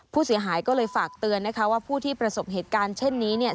ผู้เสียหายก็เลยฝากเตือนนะคะว่าผู้ที่ประสบเหตุการณ์เช่นนี้เนี่ย